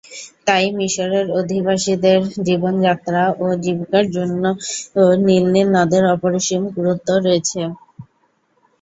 তাই মিশরের অধিবাসীদের জীবনযাত্রা ও জীবিকার জন্য নীল নীল নদের অপরিসীম গুরুত্ব রয়েছে।